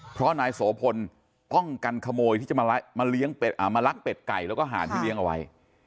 เพราะนายโสพลป้องกันขโมยที่จะมาลักเป็ดไก่แล้วก็ห่านที่เลี้ยงเอาไว้